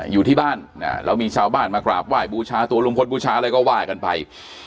อยู่ที่บ้านแล้วมีชาวบ้านมากราบไหว้บูชาตัวลุงพลบูชาอะไรก็ว่ากันไป